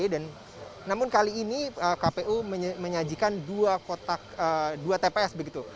dan namun kali ini kpu menyajikan dua kotak dua tps begitu